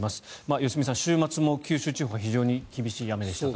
良純さん、週末も九州地方は非常に厳しい雨でしたが。